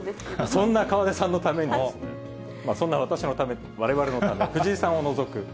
そんな河出さんのために、そんな私のために、われわれのため、藤井さんを除く。